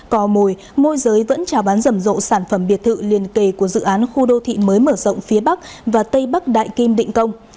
cò mồi môi giới vẫn trào bán rầm rộ sản phẩm biệt thự liền kề của dự án khu đô thị mới mở rộng phía bắc và tây bắc đại kim định công